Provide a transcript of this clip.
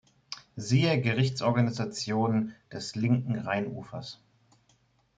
Siehe Gerichtsorganisation des Linken Rheinufers.